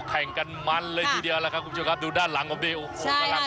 แข่งกันมันเลยทีเดียวล่ะครับคุณผู้ชมครับดูด้านหลังผมดิโอ้โหกำลัง